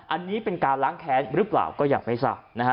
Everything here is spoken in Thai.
อันนี้เป็นการล้างแค้นหรือเปล่าก็ยังไม่ทราบ